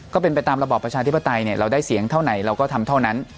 ก็เป็นไปตามระบอบประชาธิปไตยเราได้เสียงเท่าไหนเราก็ทำเท่านั้น